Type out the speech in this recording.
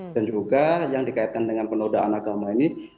dan juga yang dikaitkan dengan penodaan agama ini